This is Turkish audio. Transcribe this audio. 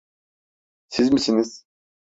Siz misiniz?